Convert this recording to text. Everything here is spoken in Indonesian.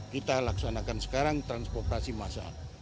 kita laksanakan sekarang transportasi massal